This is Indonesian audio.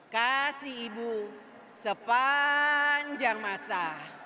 kasih ibu sepanjang masa